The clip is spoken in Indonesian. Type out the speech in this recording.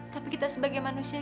tapi kita sebagai manusia